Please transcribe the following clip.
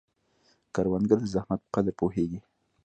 کروندګر د زحمت په قدر پوهیږي